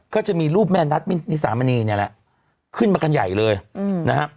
ก็จะมีรูปแม่นัทนิสามณีเนี่ยแหละขึ้นมากันใหญ่เลยนะฮะ